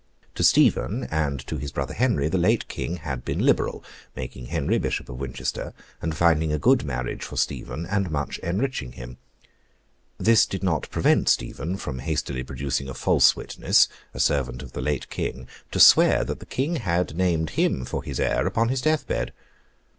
To Stephen, and to his brother Henry, the late King had been liberal; making Henry Bishop of Winchester, and finding a good marriage for Stephen, and much enriching him. This did not prevent Stephen from hastily producing a false witness, a servant of the late King, to swear that the King had named him for his heir upon his death bed.